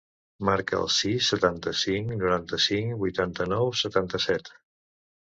Marca el sis, setanta-cinc, noranta-cinc, vuitanta-nou, setanta-set.